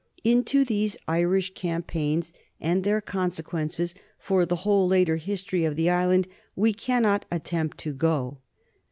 Into these Irish campaigns and their consequences for the whole later history of the island we cannot attempt to go.